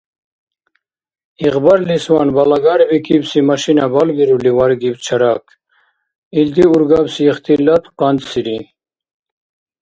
Игъбарлисван, балагарбикибси машина балбирули варгиб Чарак. Илди-ургабси ихтилат къантӏсири.